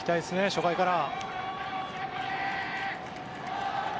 初回から。